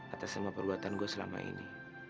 atas semua perbuatan gue selama ini